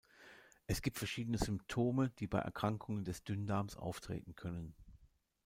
Es gibt verschiedene Symptome, die bei Erkrankungen des Dünndarms auftreten können.